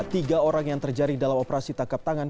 tiga orang yang terjaring dalam operasi tangkap tangan